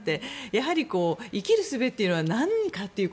やはり生きるすべというのは何かという